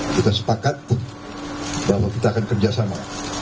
kita sepakat bahwa kita akan kerjasama